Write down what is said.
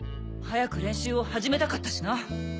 早く練習を始めたかったしな。